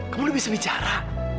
kamu bisa bicara